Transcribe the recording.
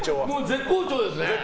絶好調ですね。